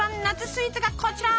スイーツがこちら。